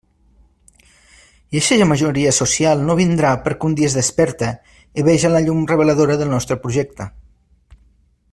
I eixa majoria social no vindrà perquè un dia es desperte i veja la llum reveladora del nostre projecte.